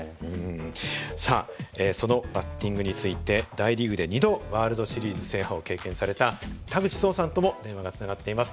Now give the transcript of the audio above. さあそのバッティングについて大リーグで２度ワールドシリーズ制覇を経験された田口壮さんとも電話がつながっています。